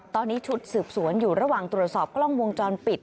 ตอนนี้ชุดสืบสวนอยู่ระหว่างตรวจสอบกล้องวงจรปิด